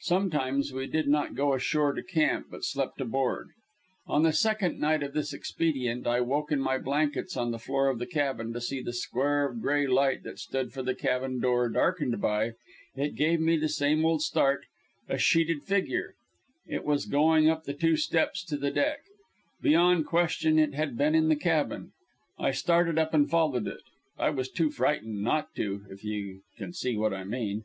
Sometimes we did not go ashore to camp, but slept aboard. On the second night of this expedient I woke in my blankets on the floor of the cabin to see the square of gray light that stood for the cabin door darkened by it gave me the same old start a sheeted figure. It was going up the two steps to the deck. Beyond question it had been in the cabin. I started up and followed it. I was too frightened not to if you can see what I mean.